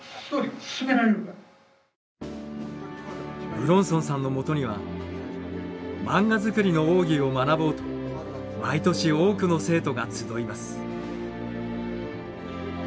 武論尊さんのもとには漫画づくりの奥義を学ぼうと毎年多くの生徒が集います。